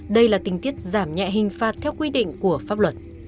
đây là tình tiết giảm nhẹ hình phạt theo quy định của pháp luật